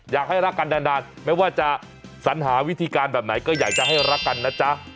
อยากให้รักกันนานไม่ว่าจะสัญหาวิธีการแบบไหนก็อยากจะให้รักกันนะจ๊ะ